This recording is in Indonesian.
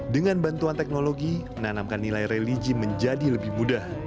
dengan bantuan teknologi menanamkan nilai religi menjadi lebih mudah